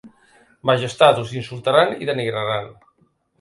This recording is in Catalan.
Majestat: us insultaran i denigraran.